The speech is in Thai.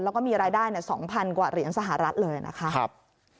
แล้วก็มีรายได้๒๐๐กว่าเหรียญสหรัฐเลยนะคะ